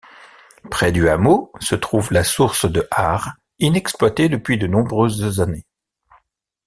Près du hameau, se trouve la source de Harre inexploitée depuis de nombreuses années.